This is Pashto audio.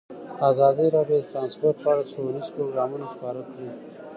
ازادي راډیو د ترانسپورټ په اړه ښوونیز پروګرامونه خپاره کړي.